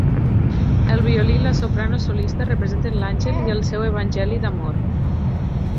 El violí i la soprano solista representen l'àngel i el seu Evangeli d'amor.